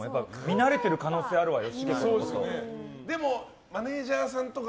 慣れてる可能性あるわよ